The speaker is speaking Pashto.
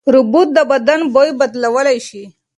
رطوبت د بدن بوی بدلولی شي.